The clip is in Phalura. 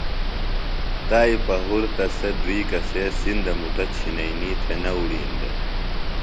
تائی پہُرتہ سے دُئی کسے سِندہ مُٹہ چِھئینی تھےۡ نہ اُڑِین دےۡ۔